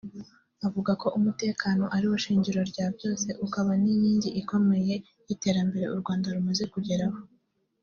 Avuga ko umutekano ari wo shingiro rya byose ukaba n’inkingi ikomeye y’iterambere u Rwanda rumaze kugeraho